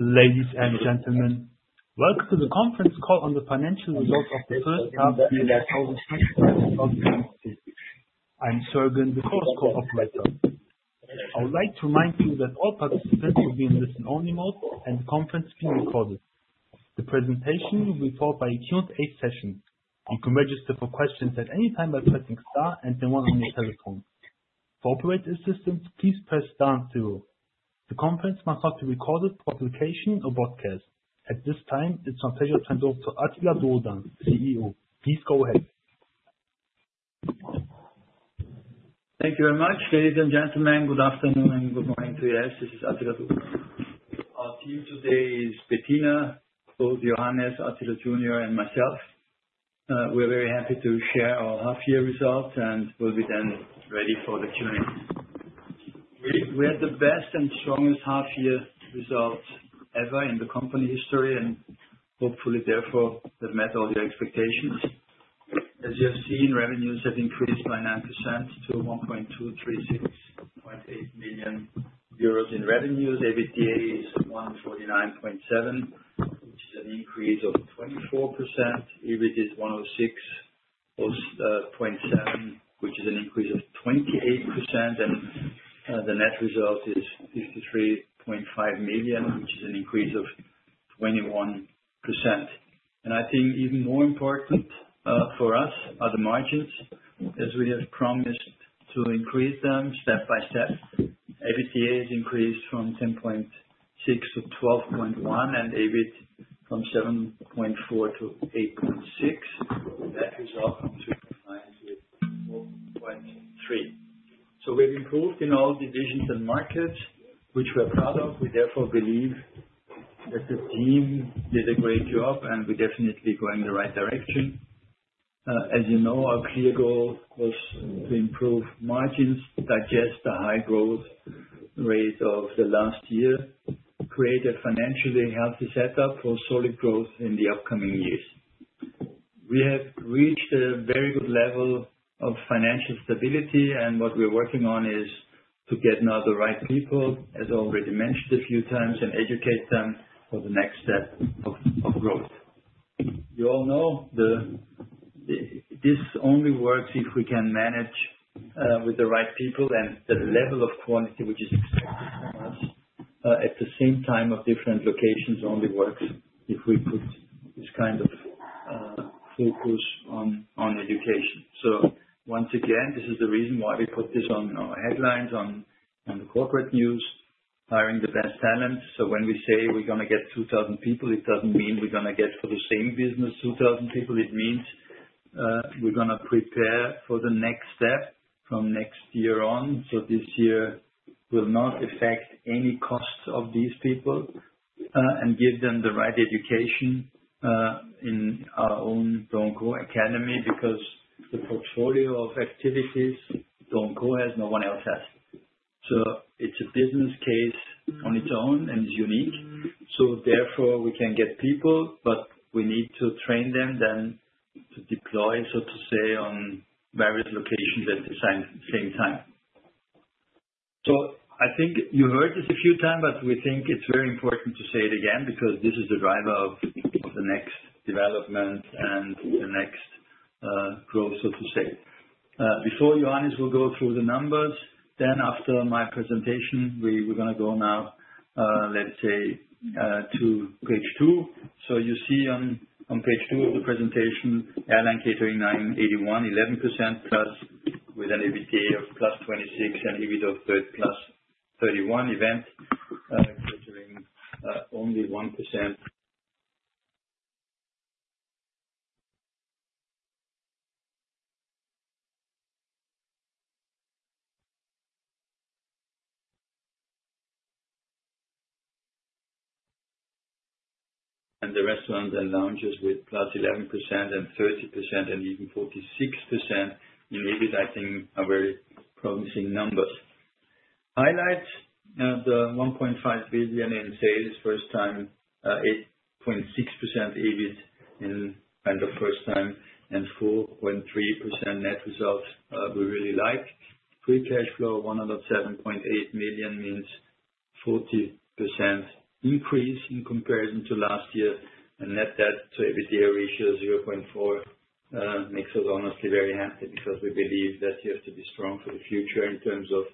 Ladies and gentlemen, welcome to the conference call on the financial results of the first half of the year 2025-2026. I'm Sergen, the course co-operator. I would like to remind you that all participants will be in listen-only mode, and the conference is being recorded. The presentation will be followed by a Q&A session. You can register for questions at any time by pressing * and the one on your telephone. For operator assistance, please press * and zero. The conference must not be recorded for publication or broadcast. At this time, it's my pleasure to hand over to Attila Dogudan, CEO. Please go ahead. Thank you very much. Ladies and gentlemen, good afternoon and good morning to you all. This is Attila Dogudan. Our team today is Bettina, both Johannes, Attila Junior, and myself. We're very happy to share our half-year results and will be then ready for the Q&A. We had the best and strongest half-year results ever in the company history, and hopefully, therefore, have met all your expectations. As you have seen, revenues have increased by 9% to 1,236.8 million euros in revenues. EBITDA is 149.7 million, which is an increase of 24%. EBIT is 106.7 million, which is an increase of 28%. The net result is 53.5 million, which is an increase of 21%. I think even more important for us are the margins, as we have promised to increase them step by step. EBITDA has increased from 10.6% to 12.1%, and EBIT from 7.4% to 8.6%. Net result from 2.9 to 4.3. We have improved in all divisions and markets, which we are proud of. We therefore believe that the team did a great job, and we are definitely going in the right direction. As you know, our clear goal was to improve margins, digest the high growth rate of the last year, create a financially healthy setup for solid growth in the upcoming years. We have reached a very good level of financial stability, and what we are working on is to get now the right people, as already mentioned a few times, and educate them for the next step of growth. You all know this only works if we can manage with the right people and the level of quality which is expected from us at the same time of different locations only works if we put this kind of focus on education. Once again, this is the reason why we put this on our headlines, on the corporate news, hiring the best talent. When we say we're going to get 2,000 people, it doesn't mean we're going to get for the same business 2,000 people. It means we're going to prepare for the next step from next year on. This year will not affect any cost of these people and give them the right education in our own DO & CO Academy because the portfolio of activities DO & CO has no one else has. It's a business case on its own and is unique. Therefore, we can get people, but we need to train them then to deploy, so to say, on various locations at the same time. I think you heard this a few times, but we think it's very important to say it again because this is the driver of the next development and the next growth, so to say. Before Johannes will go through the numbers, then after my presentation, we're going to go now, let's say, to page two. You see on page two of the presentation, airline catering 981 million, 11% plus with an EBITDA of plus 26% and EBITDA of plus 31%, event catering only 1%. The restaurants and lounges with plus 11% and 30% and even 46% in EBIT, I think, are very promising numbers. Highlights: the 1.5 billion in sales, first-time 8.6% EBIT in kind of first-time and 4.3% net results we really like. Free cash flow, 107.8 million means 40% increase in comparison to last year. Net debt to EBITDA ratio 0.4 makes us honestly very happy because we believe that you have to be strong for the future in terms of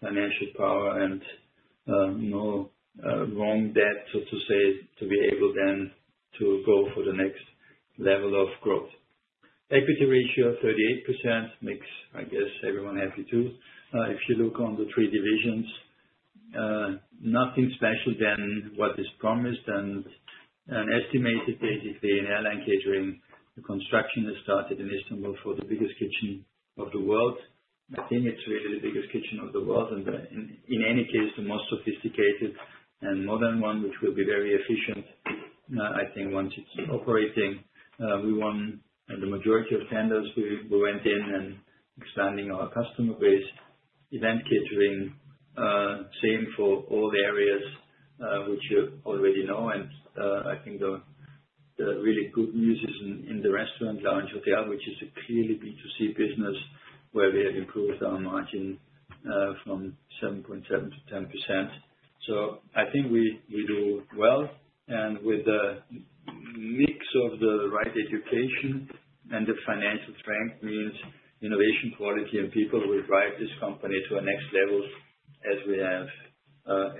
financial power and no wrong debt, so to say, to be able then to go for the next level of growth. Equity ratio of 38% makes, I guess, everyone happy too. If you look on the three divisions, nothing special than what is promised. An estimated, basically, in airline catering, the construction has started in Istanbul for the biggest kitchen of the world. I think it's really the biggest kitchen of the world and, in any case, the most sophisticated and modern one, which will be very efficient, I think, once it's operating. We won the majority of tenders. We went in and expanding our customer base. Event catering, same for all areas which you already know. I think the really good news is in the restaurant, lounge, hotel, which is a clearly B2C business where we have improved our margin from 7.7% to 10%. I think we do well. With the mix of the right education and the financial strength, it means innovation, quality, and people will drive this company to a next level as we have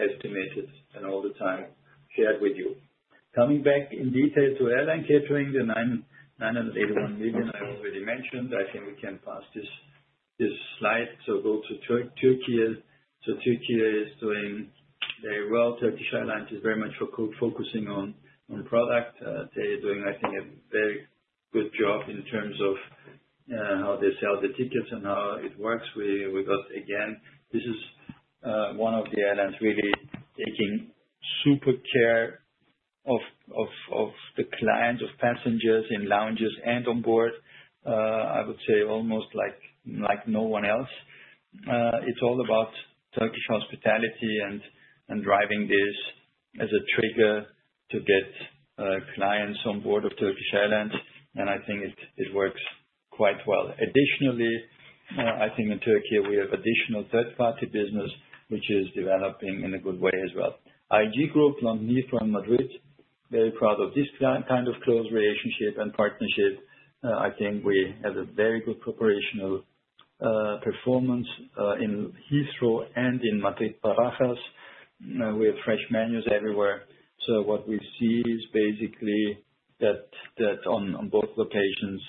estimated and all the time shared with you. Coming back in detail to airline catering, the 981 million I already mentioned, I think we can pass this slide. Go to Türkiye. Türkiye is doing very well. Turkish Airlines is very much focusing on product. They are doing, I think, a very good job in terms of how they sell the tickets and how it works. We got again, this is one of the airlines really taking super care of the clients, of passengers in lounges and on board, I would say almost like no one else. It's all about Turkish hospitality and driving this as a trigger to get clients on board of Turkish Airlines. I think it works quite well. Additionally, I think in Türkiye we have additional third-party business which is developing in a good way as well. International Airlines Group, London-Madrid from Madrid, very proud of this kind of close relationship and partnership. I think we have a very good operational performance in Heathrow and in Madrid Barajas. We have fresh menus everywhere. What we see is basically that on both locations,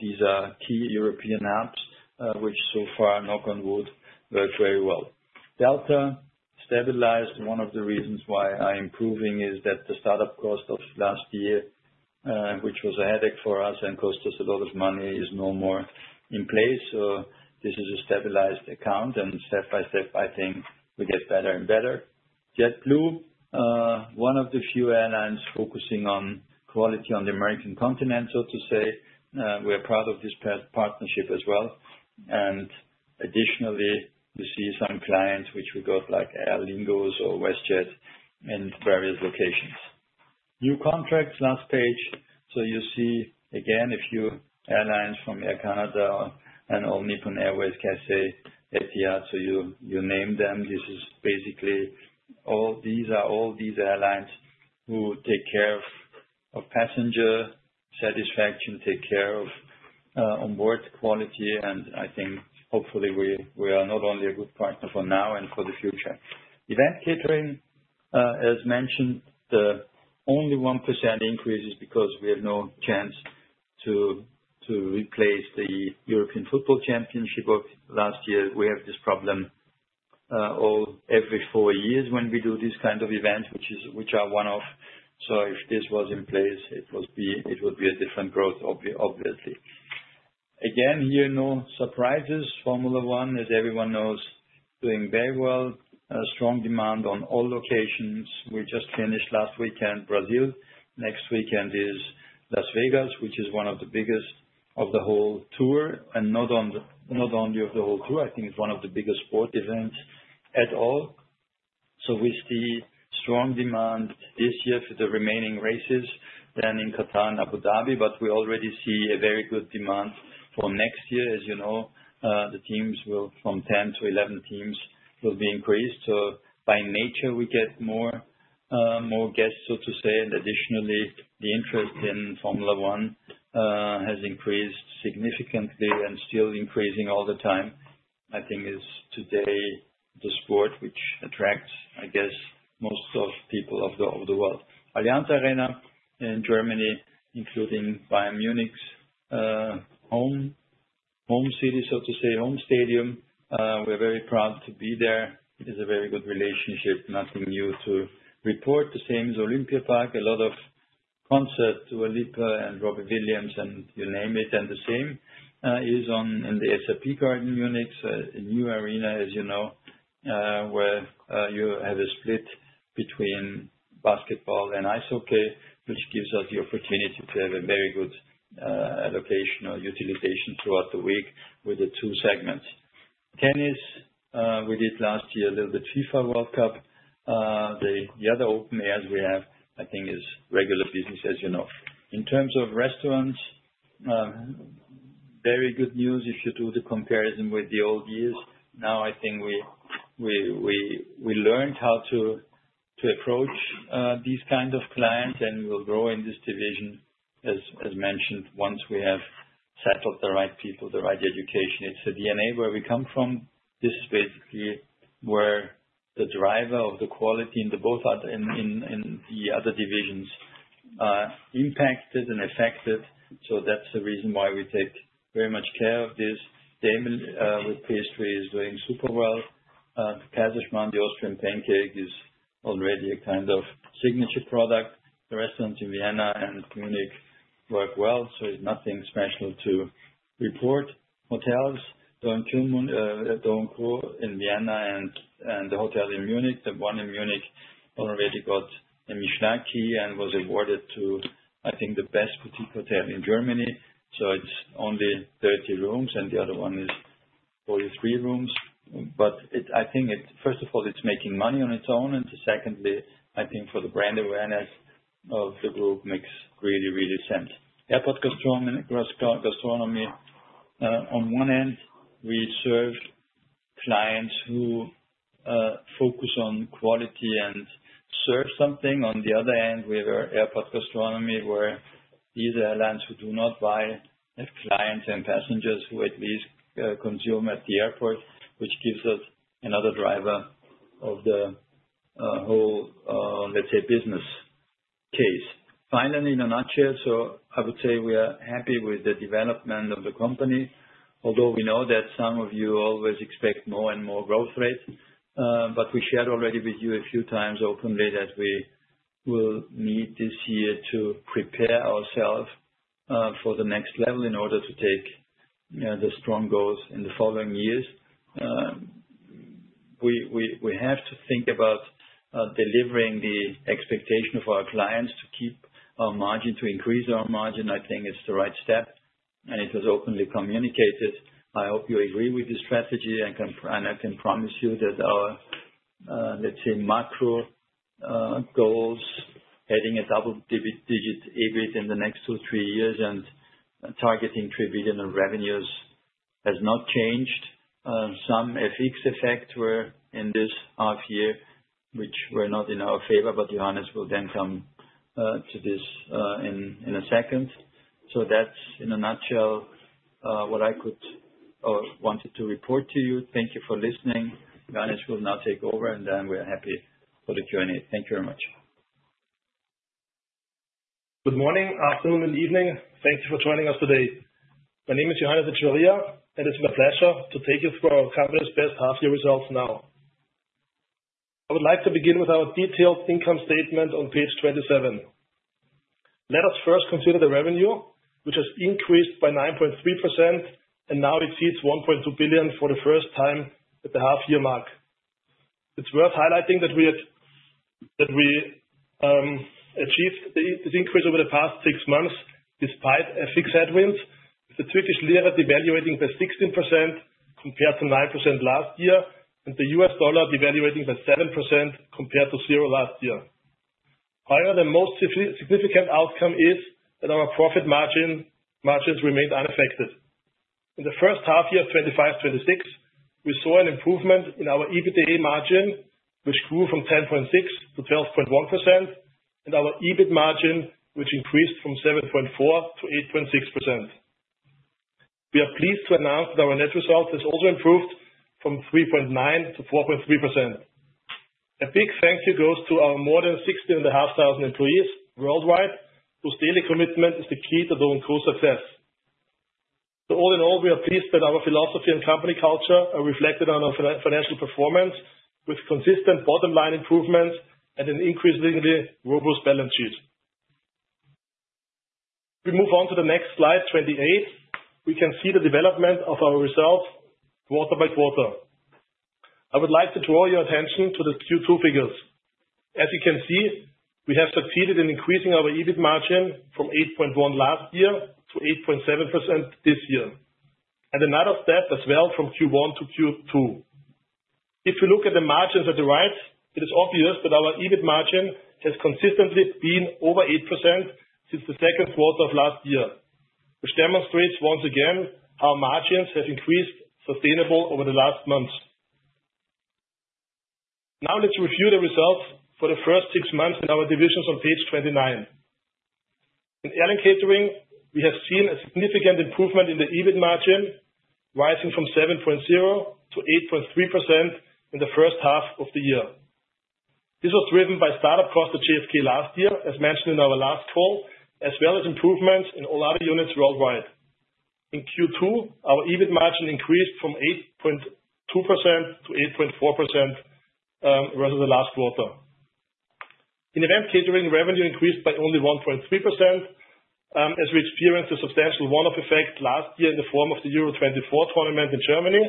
these are key European hubs which so far, knock on wood, worked very well. Delta, stabilized. One of the reasons why I'm improving is that the startup cost of last year, which was a headache for us and cost us a lot of money, is no more in place. This is a stabilized account. Step by step, I think we get better and better. JetBlue, one of the few airlines focusing on quality on the American continent, so to say. We are proud of this partnership as well. Additionally, you see some clients which we got like Air Lingus or WestJet in various locations. New contracts, last page. You see again a few airlines from Air Canada and All Nippon Airways, KASEI, Etihad. You name them. This is basically all these are all these airlines who take care of passenger satisfaction, take care of onboard quality, and I think hopefully we are not only a good partner for now and for the future. Event catering, as mentioned, the only 1% increase is because we have no chance to replace the European Football Championship of last year. We have this problem every four years when we do these kind of events, which are one-off. If this was in place, it would be a different growth, obviously. Again, here no surprises. Formula 1, as everyone knows, doing very well. Strong demand on all locations. We just finished last weekend Brazil. Next weekend is Las Vegas, which is one of the biggest of the whole tour. Not only of the whole tour, I think it is one of the biggest sport events at all. We see strong demand this year for the remaining races than in Qatar and Abu Dhabi. We already see a very good demand for next year. As you know, the teams will from 10 to 11 teams will be increased. By nature, we get more guests, so to say. Additionally, the interest in Formula 1 has increased significantly and still increasing all the time. I think it's today the sport which attracts, I guess, most of people of the world. Allianz Arena in Germany, including Bayern Munich's home city, so to say, home stadium. We're very proud to be there. It is a very good relationship. Nothing new to report. The same is Olympiapark. A lot of concerts to Alippa and Robbie Williams and you name it. The same is in the SAP Garden in Munich, a new arena, as you know, where you have a split between basketball and ice hockey, which gives us the opportunity to have a very good locational utilization throughout the week with the two segments. Tennis, we did last year a little bit. FIFA World Cup, the other open airs we have, I think, is regular business, as you know. In terms of restaurants, very good news if you do the comparison with the old years. Now, I think we learned how to approach these kind of clients and we will grow in this division, as mentioned, once we have settled the right people, the right education. It is the DNA where we come from. This is basically where the driver of the quality in the other divisions impacted and affected. That's the reason why we take very much care of this. Damon with pastry is doing super well. Kazakhstan, the Austrian pancake is already a kind of signature product. The restaurants in Vienna and Munich work well. Nothing special to report. Hotels, DO & CO in Vienna and the hotel in Munich, the one in Munich already got a Michelin key and was awarded to, I think, the best boutique hotel in Germany. It's only 30 rooms and the other one is 43 rooms. I think, first of all, it's making money on its own. Secondly, I think for the brand awareness of the group, it makes really, really sense. Airport gastronomy on one end, we serve clients who focus on quality and serve something. On the other end, we have airport gastronomy where these airlines who do not buy have clients and passengers who at least consume at the airport, which gives us another driver of the whole, let's say, business case. Finally, in a nutshell, I would say we are happy with the development of the company. Although we know that some of you always expect more and more growth rates. We shared already with you a few times openly that we will need this year to prepare ourselves for the next level in order to take the strong goals in the following years. We have to think about delivering the expectation of our clients to keep our margin, to increase our margin. I think it's the right step. It was openly communicated. I hope you agree with this strategy. I can promise you that our, let's say, macro goals, adding a double-digit EBIT in the next two or three years and targeting 3 billion in revenues has not changed. Some FX effect were in this half year, which were not in our favor. Johannes will then come to this in a second. That is in a nutshell what I could or wanted to report to you. Thank you for listening. Johannes will now take over. We are happy for the Q&A. Thank you very much. Good morning, afternoon, and evening. Thank you for joining us today. My name is Johannes Echeverria, and it's my pleasure to take you through our company's best half-year results now. I would like to begin with our detailed income statement on page 27. Let us first consider the revenue, which has increased by 9.3% and now exceeds 1.2 billion for the first time at the half-year mark. It's worth highlighting that we achieved this increase over the past six months despite a few headwinds, with the Turkish lira devaluating by 16% compared to 9% last year and the US dollar devaluating by 7% compared to zero last year. However, the most significant outcome is that our profit margins remained unaffected. In the first half year of 2025/2026, we saw an improvement in our EBITDA margin, which grew from 10.6% to 12.1%, and our EBIT margin, which increased from 7.4% to 8.6%. We are pleased to announce that our net result has also improved from 3.9% to 4.3%. A big thank you goes to our more than 16,500 employees worldwide whose daily commitment is the key to DO & CO success. All in all, we are pleased that our philosophy and company culture are reflected on our financial performance with consistent bottom-line improvements and an increasingly robust balance sheet. We move on to the next slide, 28. We can see the development of our results quarter by quarter. I would like to draw your attention to the Q2 figures. As you can see, we have succeeded in increasing our EBIT margin from 8.1% last year to 8.7% this year. Another step as well from Q1 to Q2. If you look at the margins at the right, it is obvious that our EBIT margin has consistently been over 8% since the second quarter of last year, which demonstrates once again how margins have increased sustainably over the last months. Now let's review the results for the first six months in our divisions on page 29. In airline catering, we have seen a significant improvement in the EBIT margin, rising from 7.0% to 8.3% in the first half of the year. This was driven by startup cost at JFK last year, as mentioned in our last call, as well as improvements in all other units worldwide. In Q2, our EBIT margin increased from 8.2% to 8.4% versus the last quarter. In event catering, revenue increased by only 1.3%, as we experienced a substantial one-off effect last year in the form of the Euro 24 tournament in Germany.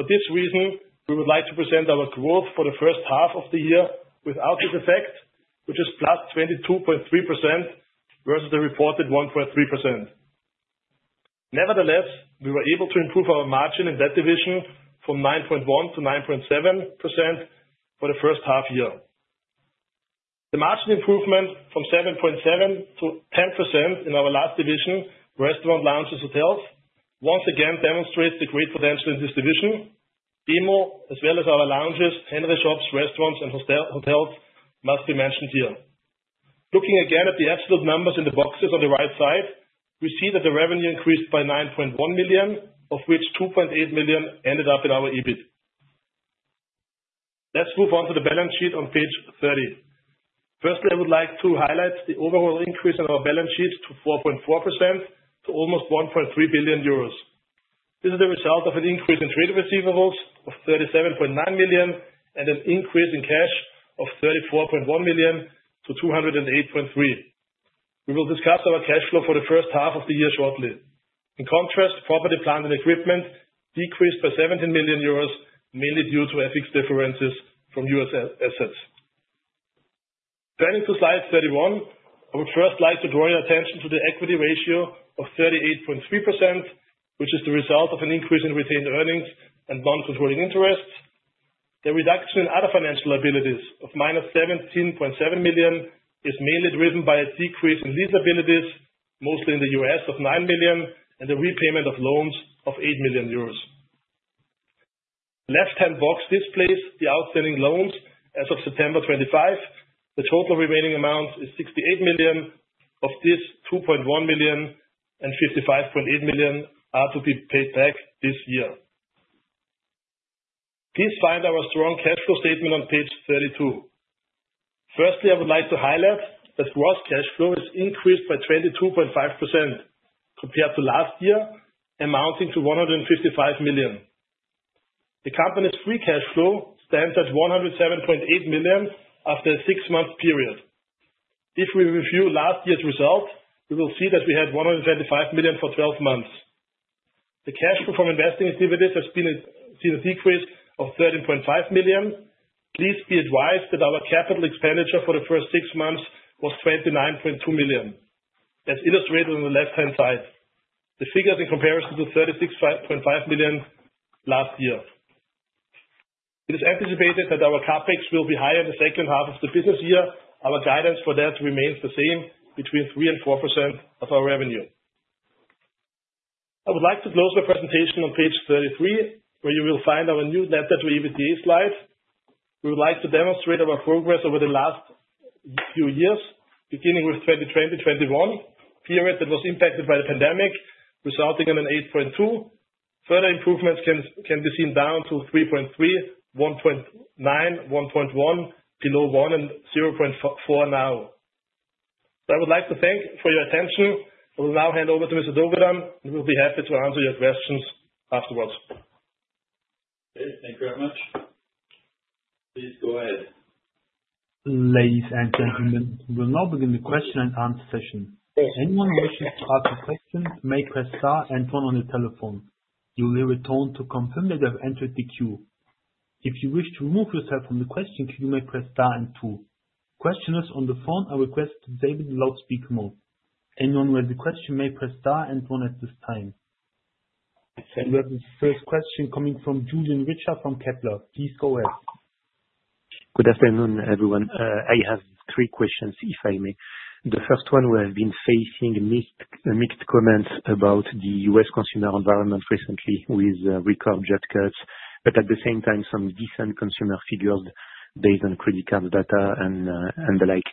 For this reason, we would like to present our growth for the first half of the year without this effect, which is plus 22.3% versus the reported 1.3%. Nevertheless, we were able to improve our margin in that division from 9.1% to 9.7% for the first half year. The margin improvement from 7.7% to 10% in our last division, restaurant lounges and hotels, once again demonstrates the great potential in this division. BMO, as well as our lounges, Henry Shops, restaurants, and hotels must be mentioned here. Looking again at the absolute numbers in the boxes on the right side, we see that the revenue increased by 9.1 million, of which 2.8 million ended up in our EBIT. Let's move on to the balance sheet on page 30. Firstly, I would like to highlight the overall increase in our balance sheet to 4.4% to almost 1.3 billion euros. This is the result of an increase in trade receivables of 37.9 million and an increase in cash of 34.1 million to 208.3 million. We will discuss our cash flow for the first half of the year shortly. In contrast, property, plant, and equipment decreased by 17 million euros, mainly due to FX differences from U.S. assets. Turning to slide 31, I would first like to draw your attention to the equity ratio of 38.3%, which is the result of an increase in retained earnings and non-controlling interests. The reduction in other financial liabilities of minus 17.7 million is mainly driven by a decrease in lease liabilities, mostly in the U.S., of 9 million and a repayment of loans of 8 million euros. The left-hand box displays the outstanding loans as of September 25. The total remaining amount is 68 million, of this 2.1 million and 55.8 million are to be paid back this year. Please find our strong cash flow statement on page 32. Firstly, I would like to highlight that gross cash flow has increased by 22.5% compared to last year, amounting to 155 million. The company's free cash flow stands at 107.8 million after a six-month period. If we review last year's result, we will see that we had 125 million for 12 months. The cash flow from investing in dividends has seen a decrease of 13.5 million. Please be advised that our capital expenditure for the first six months was 29.2 million, as illustrated on the left-hand side. The figure is in comparison to 36.5 million last year. It is anticipated that our CapEx will be higher in the second half of the business year. Our guidance for that remains the same, between 3-4% of our revenue. I would like to close my presentation on page 33, where you will find our new letter to EBITDA slide. We would like to demonstrate our progress over the last few years, beginning with 2020-2021, a period that was impacted by the pandemic, resulting in an 8.2. Further improvements can be seen down to 3.3, 1.9, 1.1, below 1, and 0.4 now. I would like to thank you for your attention. I will now hand over to Mr. Dogudan, and we will be happy to answer your questions afterwards. Great. Thank you very much. Please go ahead. Ladies and gentlemen, we will now begin the question and answer session. Anyone wishing to ask a question may press * and one on the telephone. You will return to confirm that you have entered the queue. If you wish to remove yourself from the question queue, you may press * and two. Questioners on the phone are requested to table the loudspeaker mode. Anyone with a question may press * and one at this time. We have the first question coming from Julian Richard from Kepler. Please go ahead. Good afternoon, everyone. I have three questions, if I may. The first one, we have been facing mixed comments about the U.S. consumer environment recently with record jet cuts, but at the same time, some decent consumer figures based on credit card data and the like.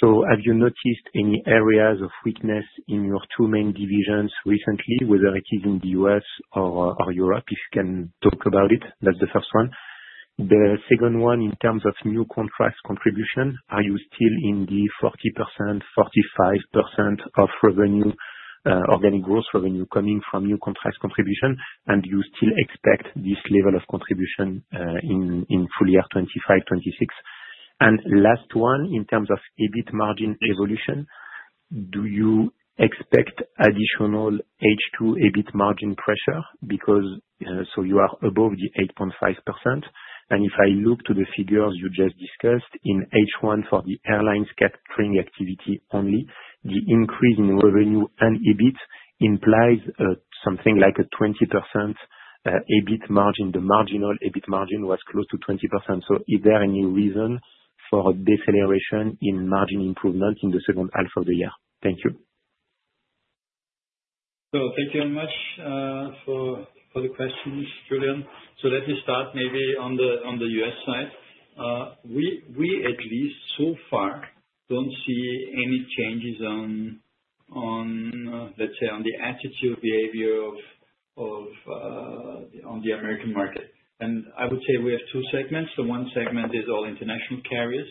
Have you noticed any areas of weakness in your two main divisions recently, whether it is in the U.S. or Europe? If you can talk about it, that's the first one. The second one, in terms of new contracts contribution, are you still in the 40%-45% of revenue, organic gross revenue coming from new contracts contribution? Do you still expect this level of contribution in full year 2025/2026? Last one, in terms of EBIT margin evolution, do you expect additional H2 EBIT margin pressure? You are above the 8.5%. If I look to the figures you just discussed in H1 for the airlines catering activity only, the increase in revenue and EBIT implies something like a 20% EBIT margin. The marginal EBIT margin was close to 20%. Is there any reason for a deceleration in margin improvement in the second half of the year? Thank you. Thank you very much for the questions, Julian. Let me start maybe on the US side. We, at least so far, do not see any changes on, let's say, on the attitude behavior on the American market. I would say we have two segments. The one segment is all international carriers.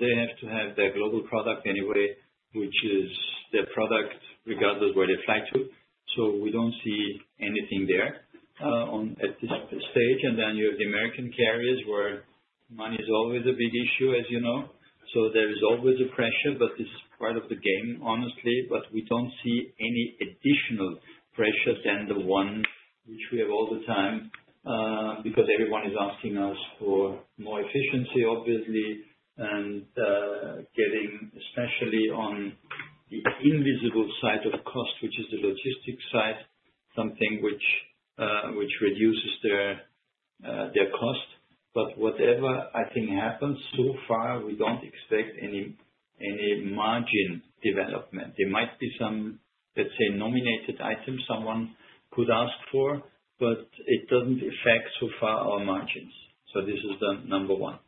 They have to have their global product anyway, which is their product regardless of where they fly to. We do not see anything there at this stage. You have the American carriers where money is always a big issue, as you know. There is always a pressure, but this is part of the game, honestly. We do not see any additional pressure than the one which we have all the time because everyone is asking us for more efficiency, obviously, and getting, especially on the invisible side of cost, which is the logistics side, something which reduces their cost. Whatever I think happens, so far, we do not expect any margin development. There might be some, let's say, nominated items someone could ask for, but it does not affect so far our margins. This is the number one.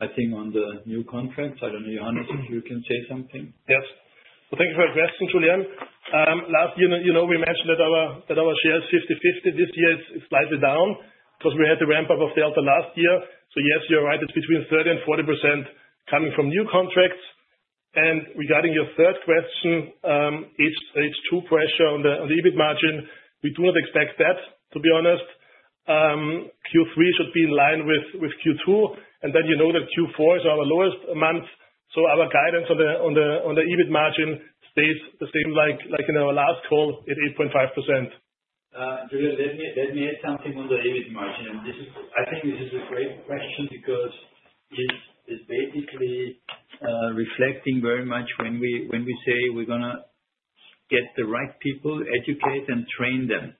I think on the new contracts, I do not know, Johannes, if you can say something. Yes. Thank you for your question, Julian. Last year, you know we mentioned that our share is 50/50. This year, it is slightly down because we had the ramp-up of Delta last year. Yes, you are right. It is between 30%-40% coming from new contracts. Regarding your third question, H2 pressure on the EBIT margin, we do not expect that, to be honest. Q3 should be in line with Q2. You know that Q4 is our lowest month. Our guidance on the EBIT margin stays the same, like in our last call, at 8.5%. Julian, let me add something on the EBIT margin. I think this is a great question because it's basically reflecting very much when we say we're going to get the right people, educate, and train them.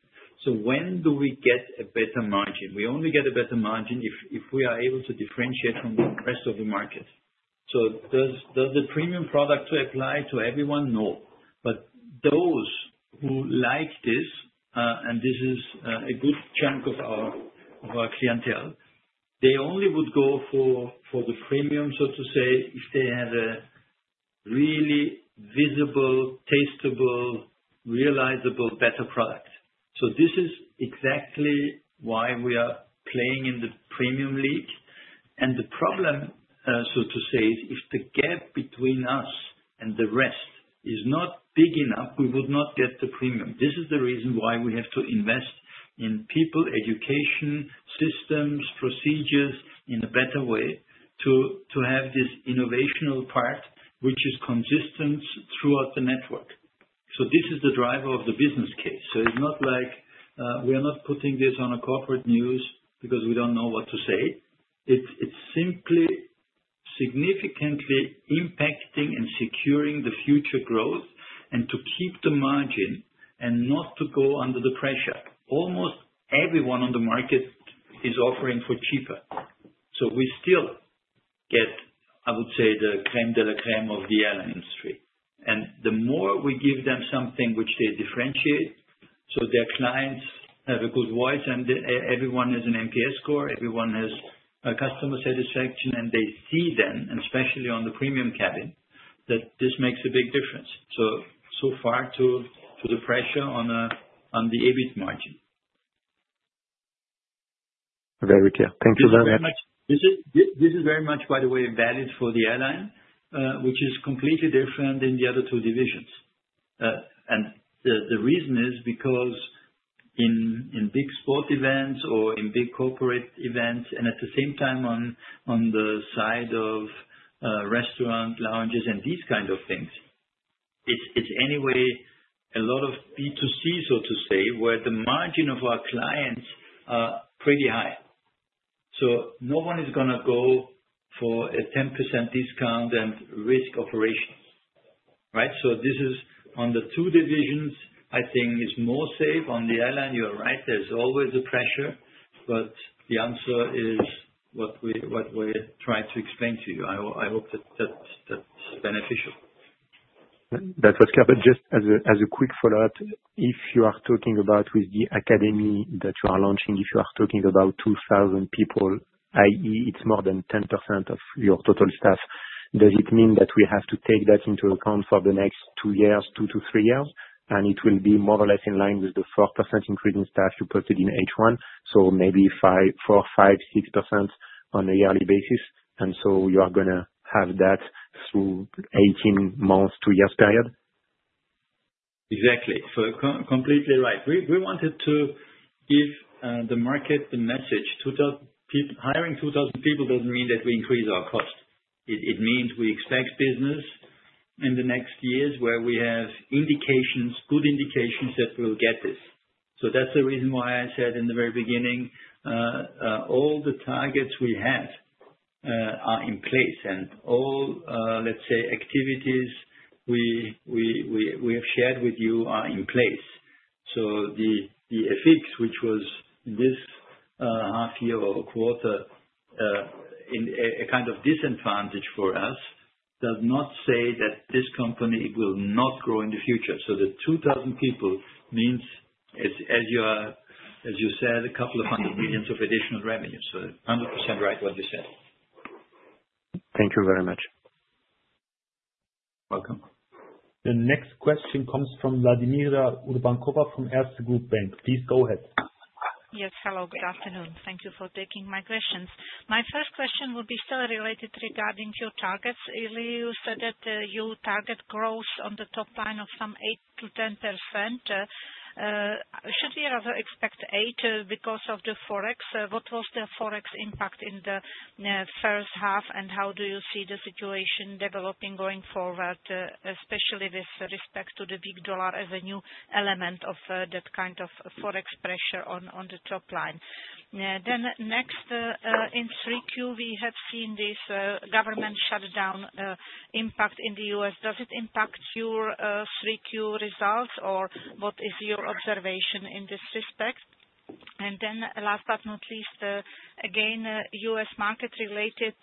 When do we get a better margin? We only get a better margin if we are able to differentiate from the rest of the market. Does the premium product apply to everyone? No. Those who like this, and this is a good chunk of our clientele, they only would go for the premium, so to say, if they had a really visible, tasteable, realizable better product. This is exactly why we are playing in the premium league. The problem, so to say, is if the gap between us and the rest is not big enough, we would not get the premium. This is the reason why we have to invest in people, education, systems, procedures in a better way to have this innovational part, which is consistent throughout the network. This is the driver of the business case. It is not like we are not putting this on a corporate news because we do not know what to say. It is simply significantly impacting and securing the future growth and to keep the margin and not to go under the pressure. Almost everyone on the market is offering for cheaper. We still get, I would say, the crème de la crème of the airline industry. The more we give them something which they differentiate, so their clients have a good voice and everyone has an NPS score, everyone has customer satisfaction, and they see then, especially on the premium cabin, that this makes a big difference. So far to the pressure on the EBIT margin. Very clear. Thank you very much. This is very much, by the way, valid for the airline, which is completely different in the other two divisions. The reason is because in big sport events or in big corporate events, and at the same time on the side of restaurants, lounges, and these kinds of things, it is anyway a lot of B2C, so to say, where the margin of our clients are pretty high. No one is going to go for a 10% discount and risk operations. Right? This is on the two divisions, I think, is more safe. On the airline, you're right. There is always a pressure. The answer is what we're trying to explain to you. I hope that's beneficial. That was clear. Just as a quick follow-up, if you are talking about with the academy that you are launching, if you are talking about 2,000 people, i.e., it is more than 10% of your total staff, does it mean that we have to take that into account for the next two years, two to three years? It will be more or less in line with the 4% increase in staff you put in H1, so maybe 4-6% on a yearly basis. You are going to have that through an 18-month, two-year period? Exactly. Completely right. We wanted to give the market the message. Hiring 2,000 people does not mean that we increase our cost. It means we expect business in the next years where we have indications, good indications that we will get this. That's the reason why I said in the very beginning, all the targets we have are in place and all, let's say, activities we have shared with you are in place. The FX, which was this half year or quarter, a kind of disadvantage for us, does not say that this company will not grow in the future. The 2,000 people means, as you said, a couple of hundred million of additional revenue. 100% right what you said. Thank you very much. Welcome. The next question comes from Vladimira Urbankova from Erste Group Bank. Please go ahead. Yes. Hello. Good afternoon. Thank you for taking my questions. My first question will be still related regarding your targets. Earlier, you said that you target growth on the top line of some 8-10%. Should we rather expect 8% because of the forex? What was the forex impact in the first half, and how do you see the situation developing going forward, especially with respect to the big dollar as a new element of that kind of forex pressure on the top line? Next, in Q3, we have seen this government shutdown impact in the U.S. Does it impact your Q3 results, or what is your observation in this respect? Last but not least, again, U.S. market related,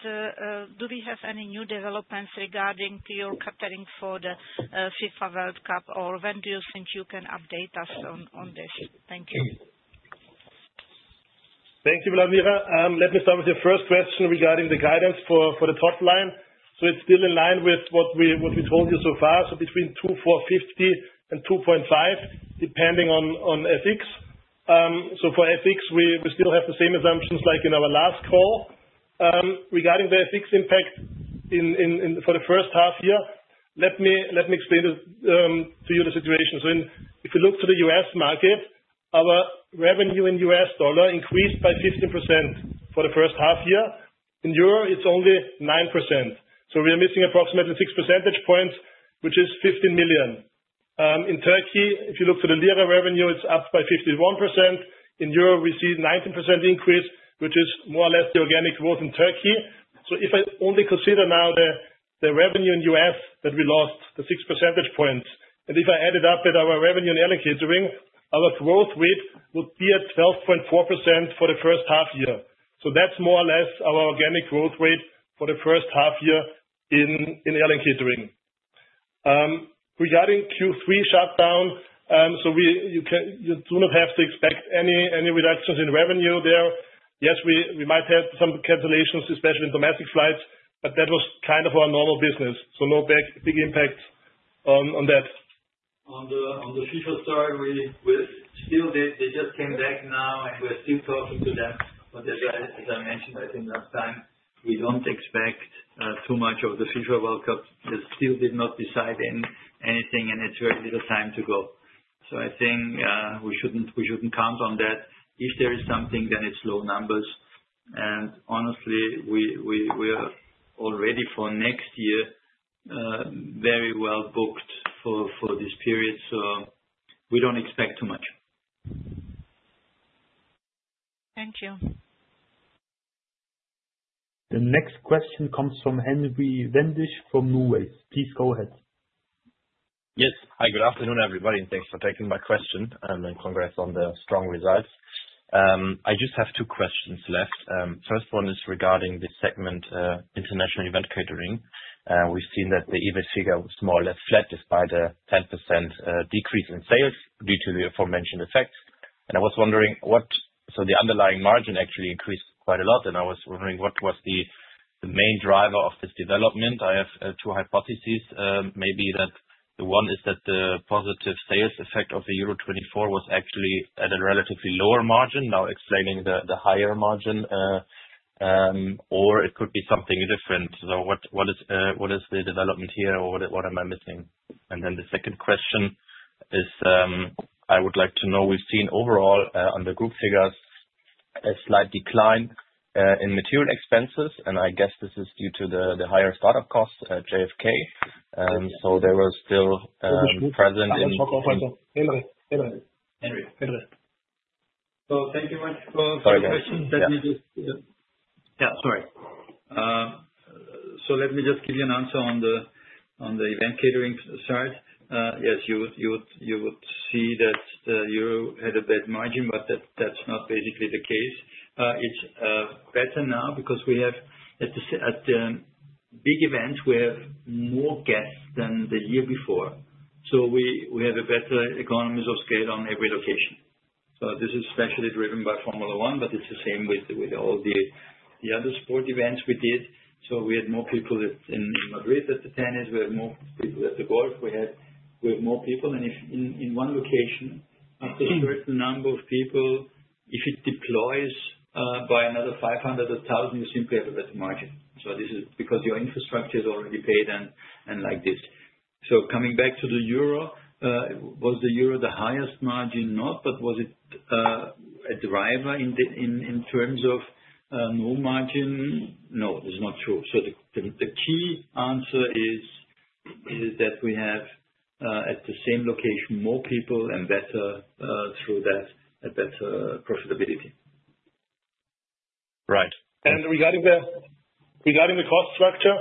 do we have any new developments regarding your catering for the FIFA World Cup, or when do you think you can update us on this? Thank you. Thank you, Vladimira. Let me start with your first question regarding the guidance for the top line. It is still in line with what we told you so far, so between 2,450 million and 2,500 million, depending on FX. For FX, we still have the same assumptions like in our last call. Regarding the FX impact for the first half year, let me explain to you the situation. If you look to the U.S. market, our revenue in $ increased by 15% for the first half year. In Europe, it's only 9%. We are missing approximately 6 percentage points, which is $15 million. In Turkey, if you look to the lira revenue, it's up by 51%. In Europe, we see a 19% increase, which is more or less the organic growth in Turkey. If I only consider now the revenue in U.S. that we lost, the 6 percentage points, and if I add it up with our revenue in airline catering, our growth rate would be at 12.4% for the first half year. That's more or less our organic growth rate for the first half year in airline catering. Regarding Q3 shutdown, you do not have to expect any reductions in revenue there. Yes, we might have some cancellations, especially in domestic flights, but that was kind of our normal business. No big impact on that. On the FIFA story, we still did. They just came back now, and we're still talking to them. As I mentioned, I think last time, we do not expect too much of the FIFA World Cup. They still did not decide anything, and it is very little time to go. I think we should not count on that. If there is something, then it is low numbers. Honestly, we are already for next year very well booked for this period. We do not expect too much. Thank you. The next question comes from Henry Wendisch from NuWays. Please go ahead. Yes. Hi. Good afternoon, everybody. Thanks for taking my question. Congrats on the strong results. I just have two questions left. First one is regarding the segment International Event Catering. We've seen that the EBIT figure was more or less flat despite a 10% decrease in sales due to the aforementioned effect. I was wondering what, so the underlying margin actually increased quite a lot. I was wondering what was the main driver of this development. I have two hypotheses. Maybe that one is that the positive sales effect of the Euro 24 was actually at a relatively lower margin, now explaining the higher margin, or it could be something different. What is the development here, or what am I missing? The second question is I would like to know, we have seen overall on the group figures a slight decline in material expenses. I guess this is due to the higher startup cost at JFK. They were still present in— I'll talk over you. Henry. Henry. Henry. Thank you very much for the question. Let me just—yeah, sorry. Let me just give you an answer on the event catering side. Yes, you would see that you had a bad margin, but that is not basically the case. It is better now because at the big events, we have more guests than the year before. We have better economies of scale at every location. This is especially driven by Formula 1, but it is the same with all the other sport events we did. We had more people in Madrid at the tennis. We had more people at the golf. We had more people. If in one location, after a certain number of people, if it deploys by another 500 or 1,000, you simply have a better margin. This is because your infrastructure is already paid and like this. Coming back to the euro, was the euro the highest margin? Not, but was it a driver in terms of new margin? No, it is not true. The key answer is that we have at the same location more people and, through that, better profitability. Right. Regarding the cost structure,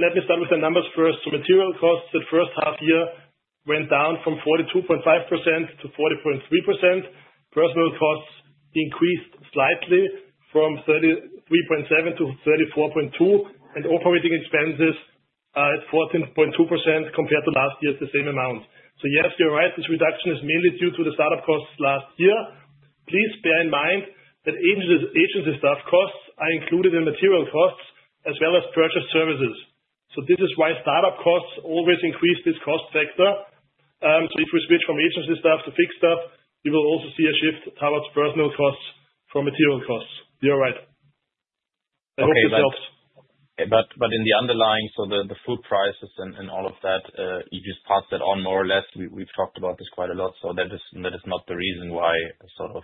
let me start with the numbers first. Material costs the first half year went down from 42.5% to 40.3%. Personnel costs increased slightly from 33.7% to 34.2%. Operating expenses at 14.2% compared to last year, the same amount. Yes, you are right. This reduction is mainly due to the startup costs last year. Please bear in mind that agency staff costs are included in material costs as well as purchase services. This is why startup costs always increase this cost factor. If we switch from agency staff to fixed staff, we will also see a shift towards personnel costs from material costs. You're right. I hope this helps. In the underlying, the food prices and all of that, you just pass that on more or less. We've talked about this quite a lot. That is not the reason why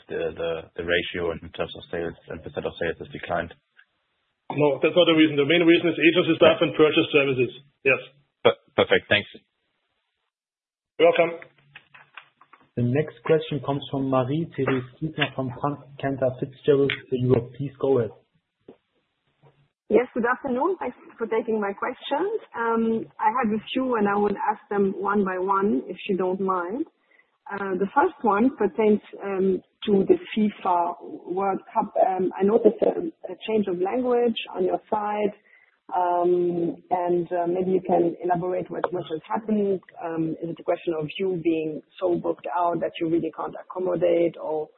the ratio in terms of sales and % of sales has declined. No, that's not the reason. The main reason is agency staff and purchase services. Yes. Perfect. Thanks. You're welcome. The next question comes from Marie Therese Grübner from Cantor Fitzgerald. Please go ahead. Yes. Good afternoon. Thanks for taking my questions. I have a few, and I will ask them one by one if you do not mind. The first one pertains to the FIFA World Cup. I noticed a change of language on your side, and maybe you can elaborate what has happened. Is it a question of you being so booked out that you really cannot accommodate, or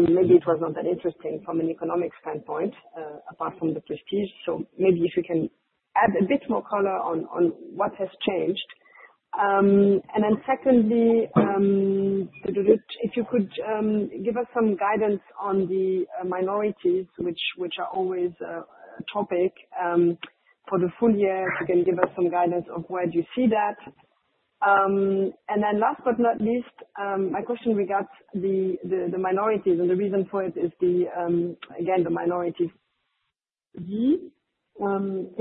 maybe it was not that interesting from an economic standpoint apart from the prestige? Maybe if you can add a bit more color on what has changed. Secondly, if you could give us some guidance on the minorities, which are always a topic for the full year, if you can give us some guidance of where you see that. Last but not least, my question regards the minorities, and the reason for it is, again, the minorities. Is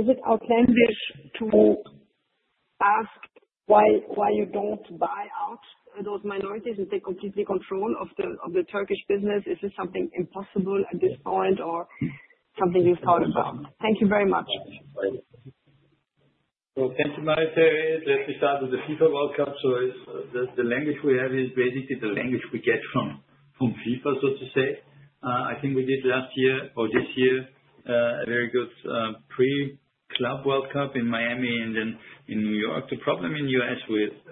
it outlandish to ask why you do not buy out those minorities and take complete control of the Turkish business? Is this something impossible at this point or something you have thought about? Thank you very much. Thank you, Marie Therese. Let me start with the FIFA World Cup. The language we have is basically the language we get from FIFA, so to say. I think we did last year or this year a very good pre-club World Cup in Miami and then in New York. The problem in the U.S.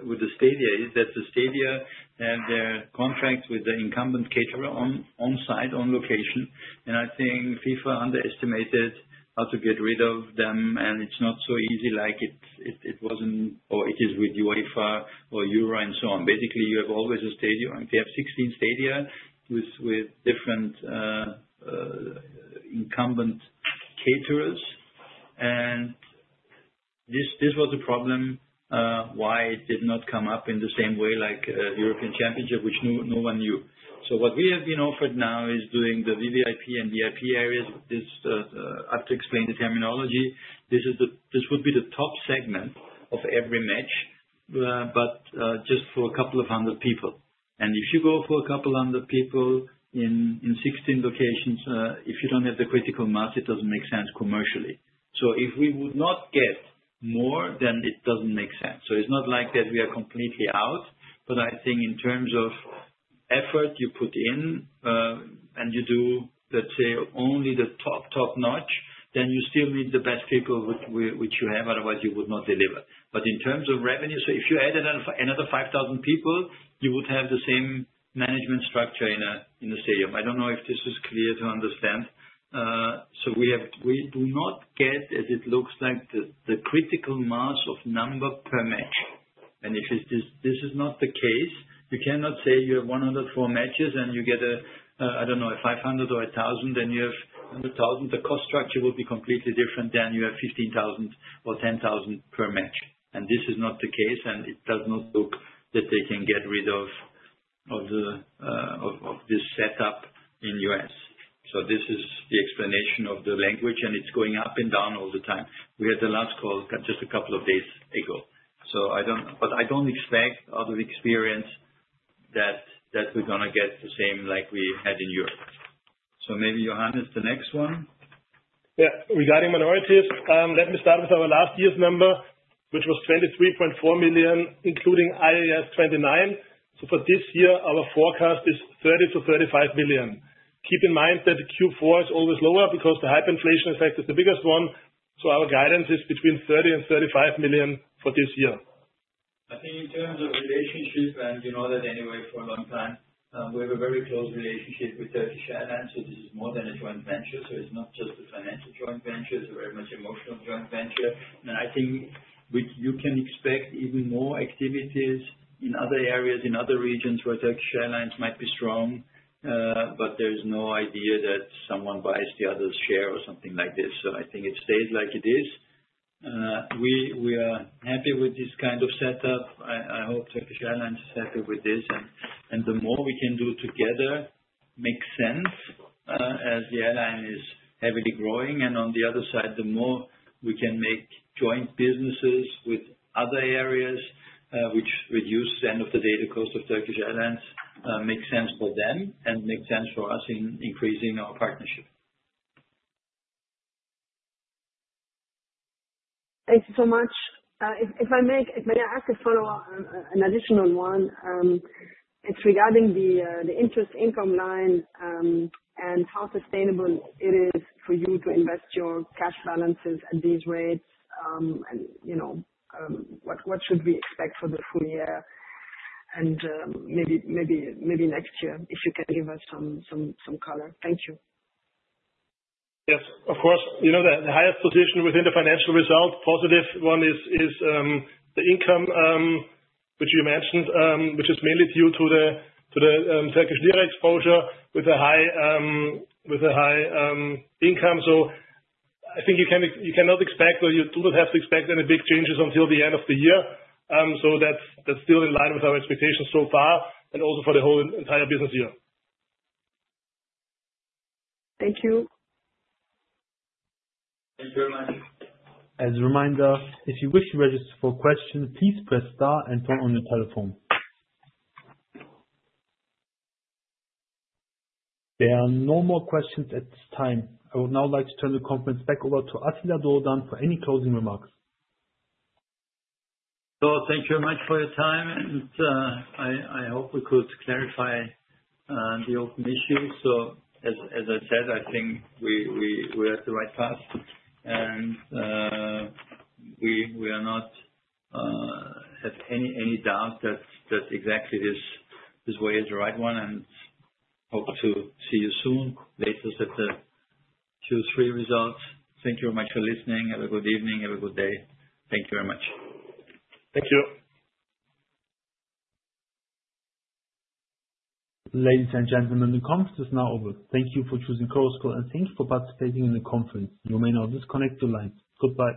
with the stadia is that the stadia have their contracts with the incumbent caterer on-site, on location. I think FIFA underestimated how to get rid of them, and it is not so easy like it was or it is with UEFA or EURA and so on. Basically, you have always a stadia. They have 16 stadia with different incumbent caterers. This was a problem why it did not come up in the same way like European Championship, which no one knew. What we have been offered now is doing the VVIP and VIP areas. I have to explain the terminology. This would be the top segment of every match, but just for a couple of hundred people. If you go for a couple of hundred people in 16 locations, if you do not have the critical mass, it does not make sense commercially. If we would not get more, then it does not make sense. It is not like that we are completely out, but I think in terms of effort you put in and you do, let's say, only the top-notch, then you still need the best people which you have. Otherwise, you would not deliver. In terms of revenue, if you added another 5,000 people, you would have the same management structure in the stadium. I do not know if this is clear to understand. We do not get, as it looks like, the critical mass of number per match. If this is not the case, you cannot say you have 104 matches and you get, I do not know, 500 or 1,000, then you have 100,000. The cost structure will be completely different than if you have 15,000 or 10,000 per match. This is not the case, and it does not look like they can get rid of this setup in the U.S. This is the explanation of the language, and it is going up and down all the time. We had the last call just a couple of days ago. I do not expect out of experience that we're going to get the same like we had in Europe. Maybe Johannes, the next one. Yeah. Regarding minorities, let me start with our last year's number, which was 23.4 million, including IAS 29. For this year, our forecast is EUR 30million-35 million. Keep in mind that Q4 is always lower because the hyperinflation effect is the biggest one. Our guidance is between EUR 30million-35 million for this year. I think in terms of relationship, and you know that anyway for a long time, we have a very close relationship with Turkish Airlines. This is more than a joint venture. It is not just a financial joint venture. It is a very much emotional joint venture. I think you can expect even more activities in other areas, in other regions where Turkish Airlines might be strong, but there is no idea that someone buys the other's share or something like this. I think it stays like it is. We are happy with this kind of setup. I hope Turkish Airlines is happy with this. The more we can do together makes sense as the airline is heavily growing. On the other side, the more we can make joint businesses with other areas, which reduce end-of-the-day cost of Turkish Airlines, makes sense for them and makes sense for us in increasing our partnership. Thank you so much. If I may ask a follow-up, an additional one. It is regarding the interest income line and how sustainable it is for you to invest your cash balances at these rates. What should we expect for the full year and maybe next year if you can give us some color? Thank you. Yes. Of course. The highest position within the financial result, positive one, is the income, which you mentioned, which is mainly due to the Turkish lira exposure with a high income. I think you cannot expect, or you do not have to expect any big changes until the end of the year. That is still in line with our expectations so far and also for the whole entire business year. Thank you. Thank you very much. As a reminder, if you wish to register for questions, please press * and turn on your telephone. There are no more questions at this time. I would now like to turn the conference back over to Attila Dogudan for any closing remarks. Thank you very much for your time. I hope we could clarify the open issues. As I said, I think we are at the right path. We do not have any doubt that exactly this way is the right one. Hope to see you soon, latest at the Q3 results. Thank you very much for listening. Have a good evening. Have a good day. Thank you very much. Thank you. Ladies and gentlemen, the conference is now over. Thank you for choosing Corosco and thank you for participating in the conference. You may now disconnect your line. Goodbye.